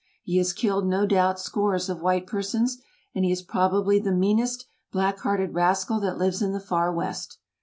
He has killed, no doubt, scores of white persons, and he is probably the meanest, black hearted rascal that lives in the far West."